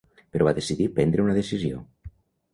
Però va decidir prendre una decisió.